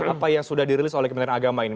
apa yang sudah dirilis oleh kementerian agama ini